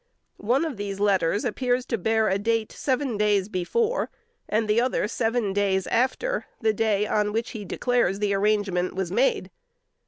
One of these letters appears to bear date seven days before, and the other seven days after, the day on which he declares the arrangement was made.